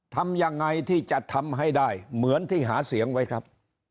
ทำยังไงที่จะทำให้ได้เหมือนที่หาเสียงไว้ครับ